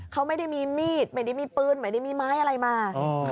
เขาไม่ได้มีมีดไม่ได้มีปืนไม่ได้มีไม้อะไรมา